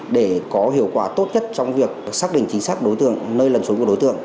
để có hiệu quả tốt nhất trong việc xác định chính xác đối tượng nơi lần trốn của đối tượng